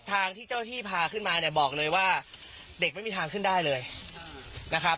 ทางที่เจ้าที่พาขึ้นมาเนี่ยบอกเลยว่าเด็กไม่มีทางขึ้นได้เลยนะครับ